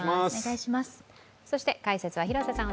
そして解説は広瀬さん